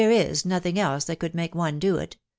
nothing eke that could make one do it.